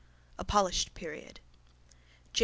A POLISHED PERIOD J.